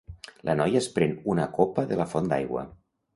La noia es pren una copa de la font d'aigua.